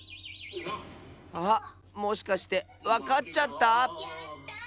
あっもしかしてわかっちゃった？